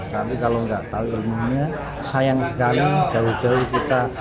tapi kalau nggak tahu ilmunya sayang sekali jauh jauh kita